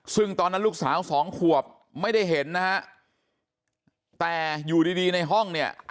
ซึ่งตอนนั้นลูกสาวสองขวบไม่ได้เห็นนะฮะแต่อยู่ดีดีในห้องเนี่ย